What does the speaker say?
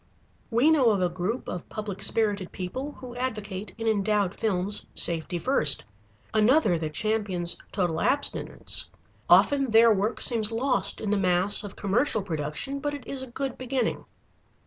We know of a group of public spirited people who advocate, in endowed films, "safety first," another that champions total abstinence. Often their work seems lost in the mass of commercial production, but it is a good beginning.